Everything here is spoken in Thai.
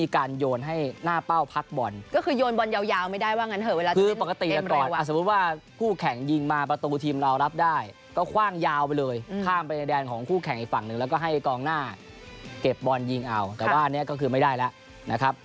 เก็บบอลยิงเอาแต่ว่าอันนี้ก็คือไม่ได้แล้ว